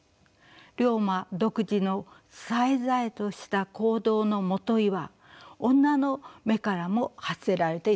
竜馬独自のさえざえとした行動のもといは女の眼からも発せられていたのでした。